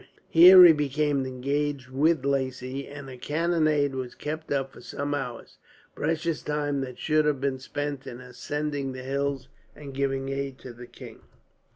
Here he became engaged with Lacy, and a cannonade was kept up for some hours precious time that should have been spent in ascending the hills, and giving aid to the king.